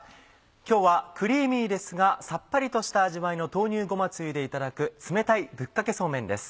今日はクリーミーですがさっぱりとした味わいの豆乳ごまつゆでいただく冷たいぶっかけそうめんです。